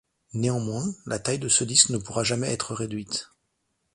Néanmoins, la taille de ce disque ne pourra jamais être réduite.